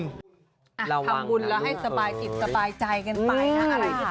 ทำบุญและให้สบายใจกันไป